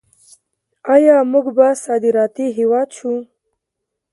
آیا موږ به صادراتي هیواد شو؟